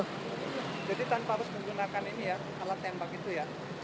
jadi tanpa harus menggunakan ini ya alat tembak itu ya